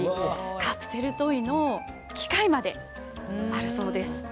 カプセルトイの機械まであるそうです。